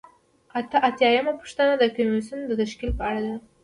اته اتیا یمه پوښتنه د کمیسیون د تشکیل په اړه ده.